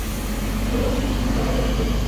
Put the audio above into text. Robot কি পৃথিবী জয় করে নেবে?